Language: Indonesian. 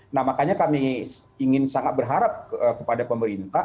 nah makanya kami ingin sangat berharap kepada pemerintah